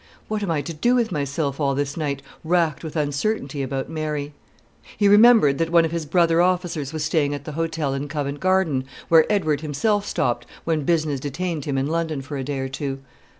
What am I to do with myself all this night, racked with uncertainty about Mary?" He remembered that one of his brother officers was staying at the hotel in Covent Garden where Edward himself stopped, when business detained him in London for a day or two.